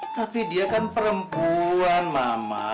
tapi dia kan perempuan mama